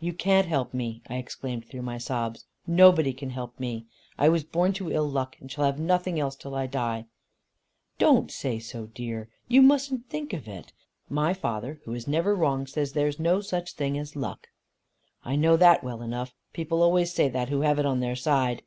"You can't help me:" I exclaimed through my sobs: "Nobody can help me! I was born to ill luck, and shall have nothing else till I die." "Don't say so dear. You mustn't think of it. My father, who never is wrong, says there's no such thing as luck." "I know that well enough. People always say that who have it on their side."